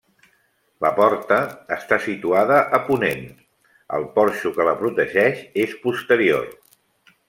La porta està situada a ponent; el porxo que la protegeix és posterior.